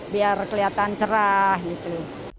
biar kelihatan cerah gitu